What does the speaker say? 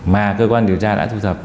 mà cơ quan điều tra đã thu dập